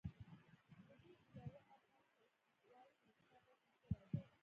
په دې کې د یوه افغان سیاستوال کرکتر رسم شوی دی.